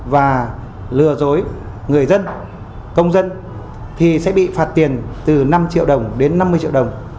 và lừa dối người dân công dân thì sẽ bị phạt tiền từ năm triệu đồng đến năm mươi triệu đồng